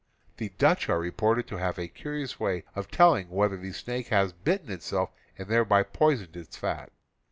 The Dutch are reported to have a curious way of telling whether the snake has bitten itself and thereby poisoned its fat.